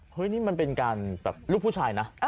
เฮ้ยนี่มันเป็นการลูกผู้ชายนะ